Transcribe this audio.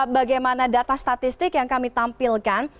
bagaimana data statistik yang kami tampilkan